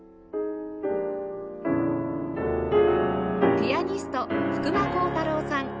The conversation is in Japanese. ピアニスト福間洸太朗さん